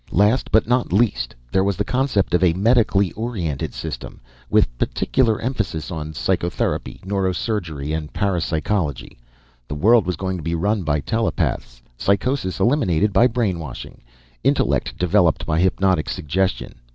"Last, but not least, there was the concept of a medically orientated system, with particular emphasis on psychotherapy, neurosurgery, and parapsychology. The world was going to be run by telepaths, psychosis eliminated by brainwashing, intellect developed by hypnotic suggestion.